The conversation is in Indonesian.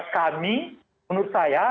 kami menurut saya